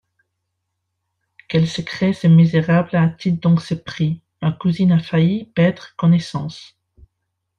Quel secret ce misérable a-t-il donc surpris ? ma cousine a failli perdre connaissance.